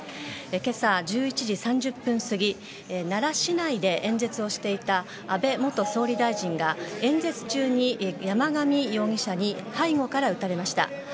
今朝、１１時３０分過ぎ奈良市内で演説をしていた安倍元総理大臣が演説中に山上容疑者に背後から撃たれました。